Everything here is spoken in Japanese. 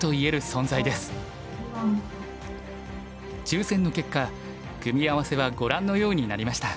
抽選の結果組み合わせはご覧のようになりました。